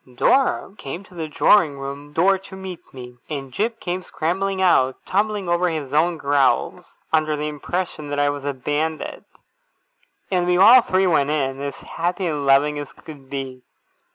Dora came to the drawing room door to meet me; and Jip came scrambling out, tumbling over his own growls, under the impression that I was a Bandit; and we all three went in, as happy and loving as could be.